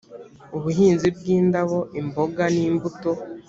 ubuhinzi bw indabo imboga n imbuto